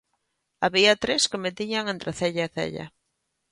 Había tres que me tiñan entre cella e cella.